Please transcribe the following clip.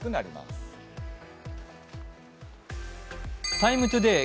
「ＴＩＭＥ，ＴＯＤＡＹ」